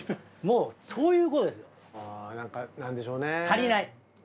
もうそういうことですよ。なんかなんでしょうね？